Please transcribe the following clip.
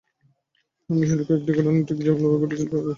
আমি শুধু কয়েকটি ঘটনা ঠিক যেমন যেমন ঘটেছিল তেমনিভাবেই লিখে যাচ্ছি।